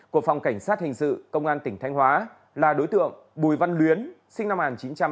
của phòng cảnh sát hình sự công an tỉnh thanh hóa là đối tượng bùi văn luyến sinh năm một nghìn chín trăm tám mươi